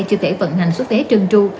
chưa thể vận hành xuất vé trơn tru